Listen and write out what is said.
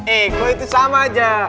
eh gue itu sama aja